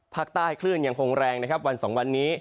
ภาคใต้คลื่นยังคงแรงวัน๒วันนี้